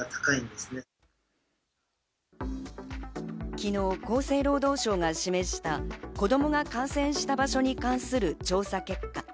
昨日、厚生労働省が示した子供が感染した場所に関する調査結果。